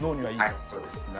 はいそうです。